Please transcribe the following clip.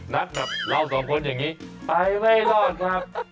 นัดแบบเราสองคนอย่างนี้ไปไม่รอดครับ